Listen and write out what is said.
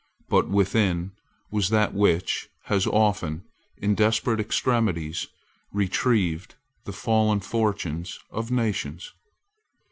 But within was that which has often, in desperate extremities, retrieved the fallen fortunes of nations.